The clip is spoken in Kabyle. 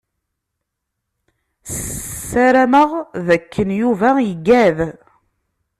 Sarameɣ d akken Yuba iggad.